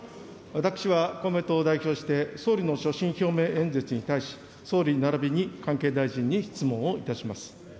私は公明党を代表して、総理の所信表明演説に対し、総理ならびに関係大臣に質問をいたします。